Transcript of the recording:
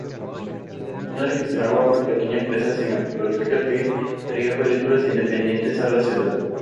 Su madre gestionaba una pequeña empresa cinematográfica que traía películas independientes a la ciudad.